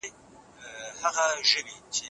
د قادر په مکتب کې نمرې تر نورو ډېرې ښې وې.